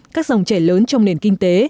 các dòng trẻ lớn trong nền kinh tế